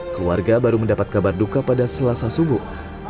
keluarga baru mendapat kabar duka pada selasa subuh